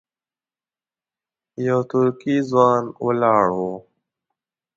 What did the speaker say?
یو ترکی ځوان ولاړ و.